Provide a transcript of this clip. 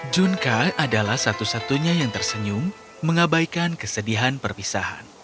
junka adalah satu satunya yang tersenyum mengabaikan kesedihan perpisahan